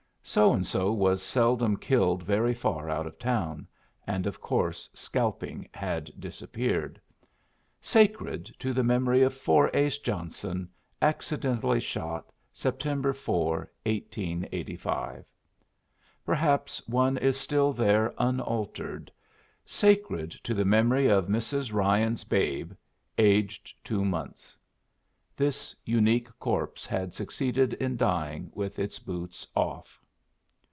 So and so was seldom killed very far out of town, and of course scalping had disappeared. "Sacred to the memory of Four ace Johnston, accidently shot, Sep. 4, 1885." Perhaps one is still there unaltered: "Sacred to the memory of Mrs. Ryan's babe. Aged two months." This unique corpse had succeeded in dying with its boots off.